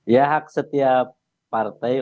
ya hak setiap partai